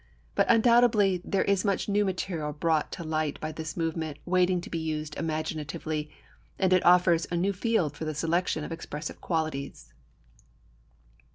But undoubtedly there is much new material brought to light by this movement waiting to be used imaginatively; and it offers a new field for the selection of expressive qualities.